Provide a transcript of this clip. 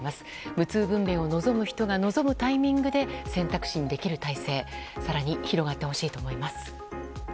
無痛分娩を望む人が望むタイミングで選択肢にできる体制が更に広がってほしいと思います。